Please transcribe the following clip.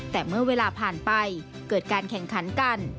แต่เมื่อเวลาผ่านไปเกิดการแข่งขันกัน